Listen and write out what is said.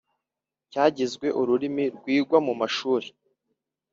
cyagizwe ururimi rwigwa mu mashuri,